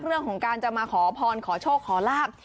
เรื่องของการจะมาขอพรขอโชคขอลาบ